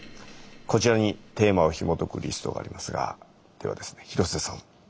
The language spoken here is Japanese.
こちらにテーマをひもとくリストがありますがではですね廣瀬さん。